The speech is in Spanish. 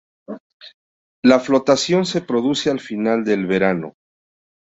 La floración se produce al final del verano.